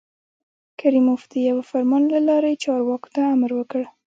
کریموف د یوه فرمان له لارې چارواکو ته امر وکړ.